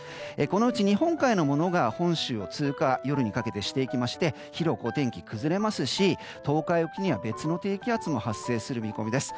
このうち日本海のものが本州を通過していきまして広くお天気崩れまして東海沖には別の低気圧も発生する見込みです。